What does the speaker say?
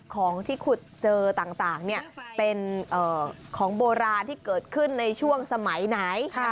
ของที่ขุดเจอต่างเป็นของโบราณที่เกิดขึ้นในช่วงสมัยไหน